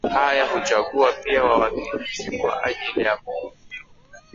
haya huchagua pia wawakilishi kwa ajili ya bunge